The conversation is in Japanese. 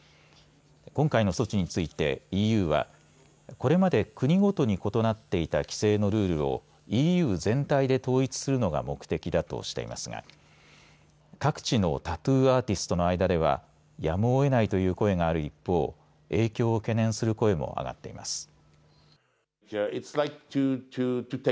今回の措置についてＥＵはこれまで国ごとに異なっていた規制のルールをＥＵ全体で統一するのが目的だとしていますが各地のタトゥーアーティストの間ではやむをえないという声がある一方、影響を懸念する声も上がっています。